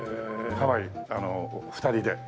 ハワイ２人で。